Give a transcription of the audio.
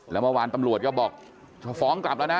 แล้วเมื่อวานตำรวจก็บอกจะฟ้องกลับแล้วนะ